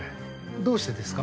どうしてですか？